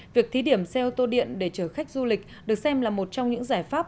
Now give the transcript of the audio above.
việc thí điểm xe ô tô điện để chở khách du lịch được xem là một trong những giải pháp